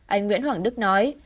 anh nguyễn hoảng đức nói